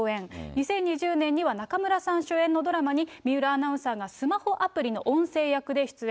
２０２０年には、中村さん主演のドラマに、水卜アナウンサーがスマホアプリの音声役で出演。